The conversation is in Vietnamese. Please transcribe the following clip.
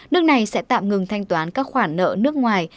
nước này sẽ tạm ngừng thanh toán các khoản nợ nước ngoài